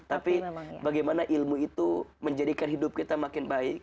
tapi bagaimana ilmu itu menjadikan hidup kita makin baik